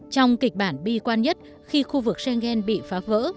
trong kịch bản bi quan nhất khi khu vực schengen bị phá vỡ